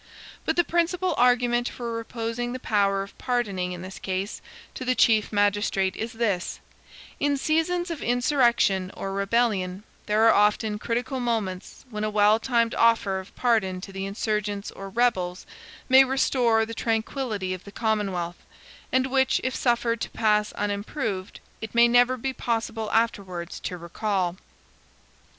But the principal argument for reposing the power of pardoning in this case to the Chief Magistrate is this: in seasons of insurrection or rebellion, there are often critical moments, when a well timed offer of pardon to the insurgents or rebels may restore the tranquillity of the commonwealth; and which, if suffered to pass unimproved, it may never be possible afterwards to recall.